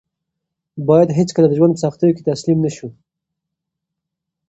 باید هېڅکله د ژوند په سختیو کې تسلیم نه شو.